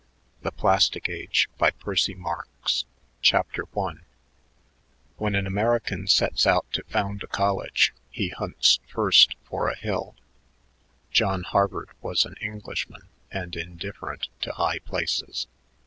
THE PLASTIC AGE CHAPTER I When an American sets out to found a college, he hunts first for a hill. John Harvard was an Englishman and indifferent to high places.